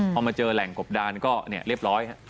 พอมาเจอแหล่งกบดานก็เรียบร้อย